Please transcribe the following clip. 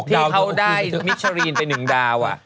ที่เขาได้มิชชาลีนเป็น๑ดาว